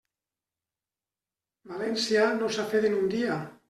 València no s'ha fet en un dia.